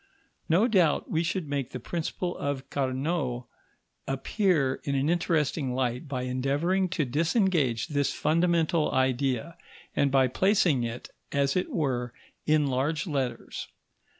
No doubt we should make the principle of Carnot appear in an interesting light by endeavouring to disengage this fundamental idea, and by placing it, as it were, in large letters.